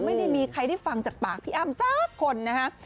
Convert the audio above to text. ไม่ได้มีใครได้ฟังจากปากพี่อ้ำสักคนนะฮะ